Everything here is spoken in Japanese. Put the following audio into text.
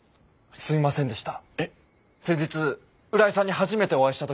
すいませんでした。